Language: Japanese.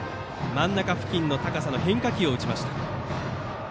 真ん中付近の高さの変化球を打ちました。